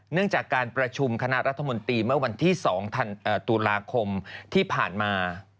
จากการประชุมคณะรัฐมนตรีเมื่อวันที่๒ตุลาคมที่ผ่านมา